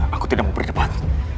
aku tidak mau berdepan